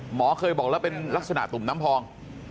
หมอเคยบอกแล้วเป็นลักษณะตุ่มน้ำพอง